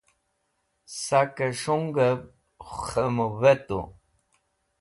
Sakẽ s̃hungẽv khẽmũvetu.